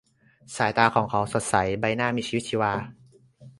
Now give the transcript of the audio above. สายตาของเขาสดใส ใบหน้ามีชีวิตชีวา